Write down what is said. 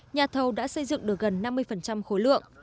nhà thầu đã xây dựng được gần năm mươi khối lượng